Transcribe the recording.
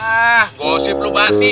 hah gosip lu basi